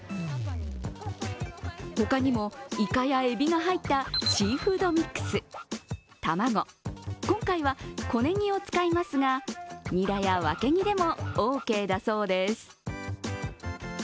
他にもいかやえびが入ったシーフードミックス、卵、今回は、小ネギを使いますがニラや、わけぎでもオーケーだそうです。